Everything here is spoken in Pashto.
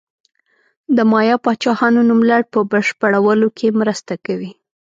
د مایا پاچاهانو نوملړ په بشپړولو کې مرسته کوي.